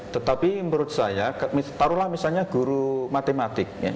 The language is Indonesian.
tetapi menurut saya taruh lah misalnya guru matematik